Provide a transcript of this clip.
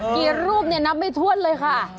กี่รูปนี้น้ำไม่ทวนเลยค่ะ